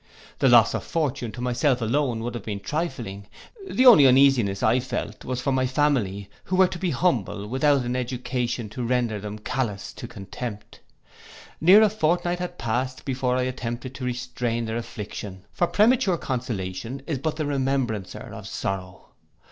The loss of fortune to myself alone would have been trifling; the only uneasiness I felt was for my family, who were to be humble without an education to render them callous to contempt. Near a fortnight had passed before I attempted to restrain their affliction; for premature consolation is but the remembrancer of sorrow.